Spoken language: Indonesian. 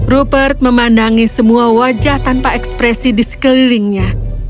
rupert memandangi semua wajah tanpa ekspresi di sekelilingnya